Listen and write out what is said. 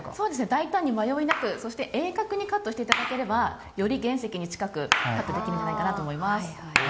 大胆に迷いなく鋭角にカットしていただければより原石に近くカットできると思います。